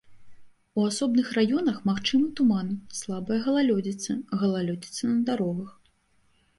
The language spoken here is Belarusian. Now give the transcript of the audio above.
У асобных раёнах магчымы туман, слабая галалёдзіца, галалёдзіца на дарогах.